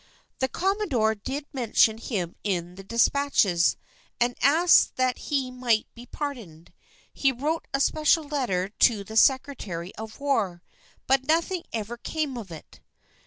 The commodore did mention him in the despatches, and asked that he might be pardoned. He wrote a special letter to the Secretary of War. But nothing ever came of it.